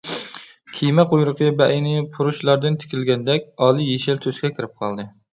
كېمە قۇيرۇقى بەئەينى پۇرۇچلاردىن تىكىلگەندەك ئالىيېشىل تۈسكە كىرىپ قالدى.